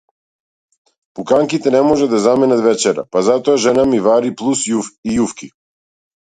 Пуканките не можат да заменат вечера, па затоа жена ми вари плус и јуфки.